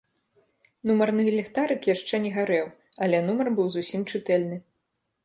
Нумарны ліхтарык яшчэ не гарэў, але нумар быў зусім чытэльны.